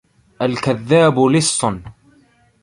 الْكَذَّابُ لِصٌّ